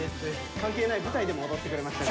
関係ない舞台でも踊ってくれましたから。